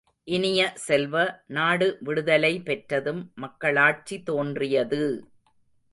இனிய செல்வ, நாடு விடுதலை பெற்றதும் மக்களாட்சி தோன்றியது!